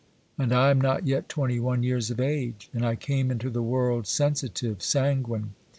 And I am not yet twenty one years of age ! And I came into the world sensitive, sanguine